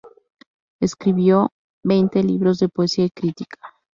Escribió veinte libros de poesía y crítica.